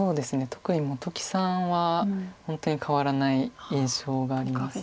特に本木さんは本当に変わらない印象があります。